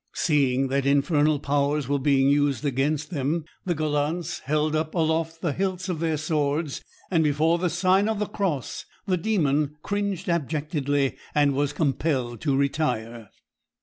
Seeing that infernal powers were being used against them, the gallants held up aloft the hilts of their swords; and before the Sign of the Cross, the Demon cringed abjectly, and was compelled to retire.